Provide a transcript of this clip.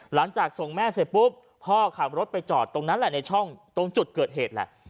หลังจากส่งแม่เสร็จปุ๊บพ่อขับรถไปจอดตรงนั้นแหละในช่องตรงจุดเกิดเหตุแหละ